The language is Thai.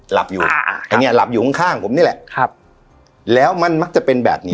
หลับอยู่อันนี้หลับอยู่ข้างข้างผมนี่แหละครับแล้วมันมักจะเป็นแบบนี้